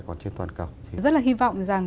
còn trên toàn cầu rất là hy vọng rằng